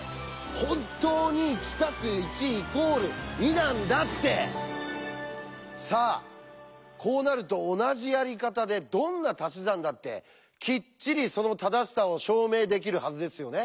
本当に「１＋１＝２」なんだって！さあこうなると同じやり方でどんな「たし算」だってきっちりその正しさを証明できるはずですよね？